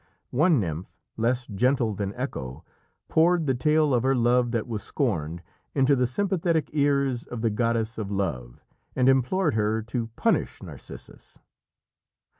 One nymph, less gentle than Echo, poured the tale of her love that was scorned into the sympathetic ears of the goddess of Love, and implored her to punish Narcissus.